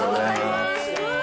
すごい！